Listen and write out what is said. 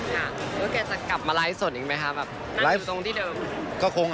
แล้วแกจะกลับมาไลฟ์ส่วนอีกไหมครับนั่งอยู่ตรงที่เดิม